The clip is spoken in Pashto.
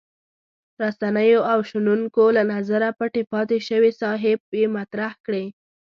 رسنیو او شنونکو له نظره پټې پاتې شوې ساحې یې مطرح کړې.